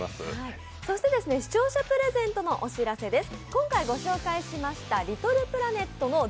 そして視聴者プレゼントのお知らせです。